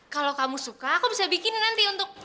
kalau kamu suka aku bisa bikin nanti untuk